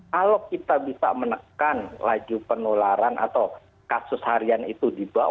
kalau kita bisa menekan laju penularan atau kasus harian itu di bawah dua puluh ribu